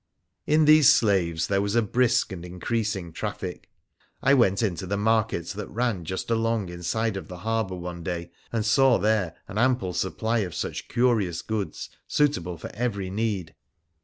In these slaves there was a brisk and increasing traffic. I went into the market that ran just along inside the harbour one day, and saw there an ample supply of such curious goods suitable for every need.